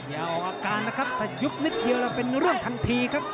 อย่าออกอาการนะครับถ้ายุบนิดเดียวแล้วเป็นเรื่องทันทีครับ